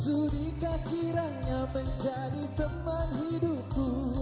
sudikah kiranya menjadi teman hidupku